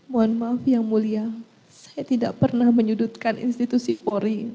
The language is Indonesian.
mohon maaf yang mulia saya tidak pernah menyudutkan institusi polri